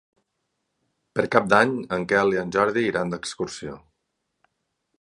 Per Cap d'Any en Quel i en Jordi iran d'excursió.